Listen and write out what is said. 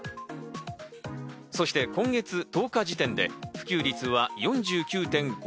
そして今月１０日時点で普及率は４９．５％。